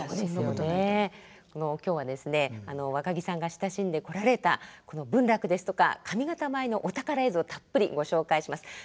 今日はですねわかぎさんが親しんでこられたこの文楽ですとか上方舞のお宝映像たっぷりご紹介します。